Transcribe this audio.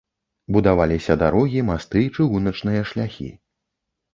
Будаваліся дарогі, масты, чыгуначныя шляхі.